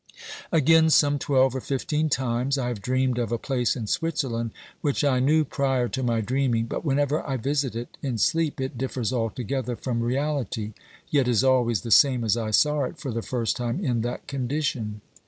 OBERMANN 365 Again some twelve or fifteen times I have dreamed of a place in Switzerland which I knew prior to my dreaming, but whenever I visit it in sleep it differs altogether from reality, yet is always the same as I saw it for the first time in that condition.